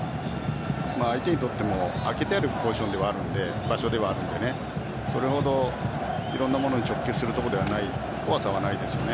相手にとっても空けてあるポジションではあるのでそれほどいろんなものに直結するところではない怖さはないですよね。